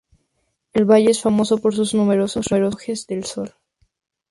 El valle es famoso por sus numerosos relojes de sol.